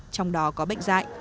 trong đó có bệnh dạy